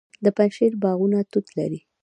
د پنجشیر باغونه توت لري.